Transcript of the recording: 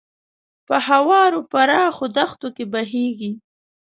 په هوارو پراخو دښتو کې بهیږي.